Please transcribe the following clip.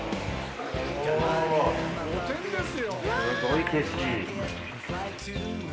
おお、すごい景色。